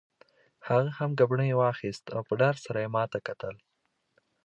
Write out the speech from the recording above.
هغه هم ګبڼۍ واخیست او په ډار سره یې ما ته کتل.